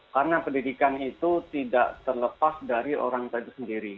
karena pendidikan itu tidak terlepas dari orang tadi sendiri